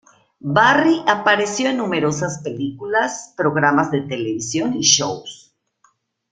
Barry apareció en numerosas películas, programas de televisión y shows.